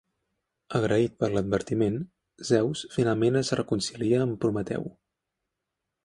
Agraït per l'advertiment, Zeus finalment es reconcilia amb Prometeu.